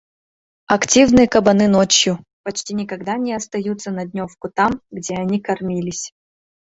Активны кабаны ночью, почти никогда не остаются на дневку там, где они кормились.